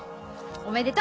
おめでとう！